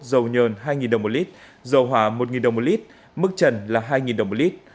dầu nhờn hai đồng một lít dầu hỏa một đồng một lít mức trần là hai đồng một lít